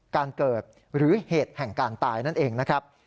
การเกิดหรือเหตุแห่งการตายนั่นเองนะครับ